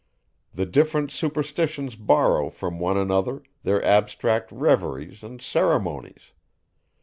The different superstitions borrow, from one another, their abstract reveries and ceremonies.